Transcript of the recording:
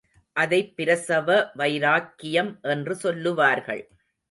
அதைப் பிரசவ வைராக்கியம் என்று சொல்லுவார்கள்.